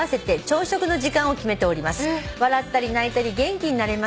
「笑ったり泣いたり元気になれます」